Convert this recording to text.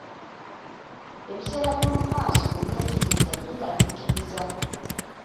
Ebiseera eby'omu maaso mu byenjigiriza byeraliikiriza.